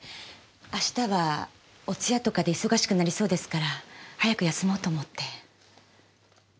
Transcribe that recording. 明日はお通夜とかで忙しくなりそうですから早く休もうと思って。